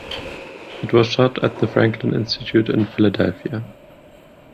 It was shot at the Franklin Institute in Philadelphia.